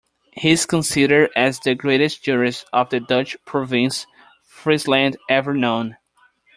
He is considered as the greatest jurist of the Dutch province Friesland ever known.